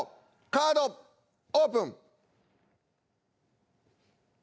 カードオープン！